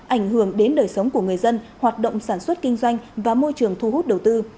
ảnh hưởng đến đời sống của người dân hoạt động sản xuất kinh doanh và môi trường thu hút đầu tư